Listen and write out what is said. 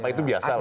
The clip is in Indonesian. itu biasa lah